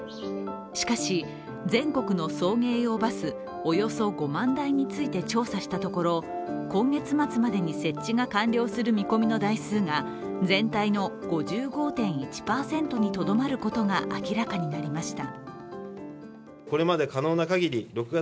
しかし全国の送迎用バスおよそ５万台について調査したところ、今月末までに設置が完了する見込みの台数が全体の５５．１％にとどまることが明らかになりました。